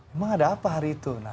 memang ada apa hari itu